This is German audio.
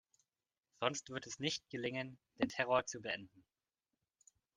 Sonst wird es nicht gelingen, den Terror zu beenden.